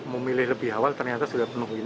mau milih lebih awal ternyata sudah penuh ini